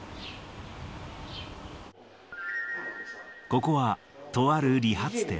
ここは、とある理髪店。